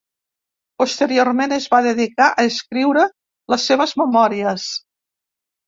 Posteriorment es va dedicar a escriure les seves memòries.